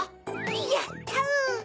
やった！